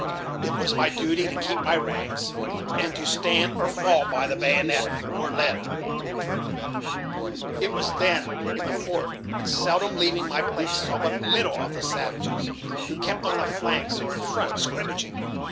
"It was my duty to keep my ranks, and to stand or fall by the baggonet or lead," returned the veteran. "I was then in the fort, and seldom leaving my place, saw but little of the savages, who kept on the flanks or in front, skrimmaging.